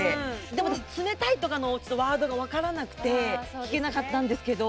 でもね冷たいとかのちょっとワードが分からなくて聞けなかったんですけど。